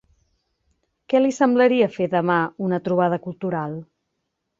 Què li semblaria fer demà una trobada cultural?